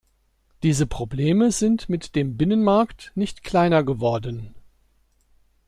Diese Probleme sind mit dem Binnenmarkt nicht kleiner geworden.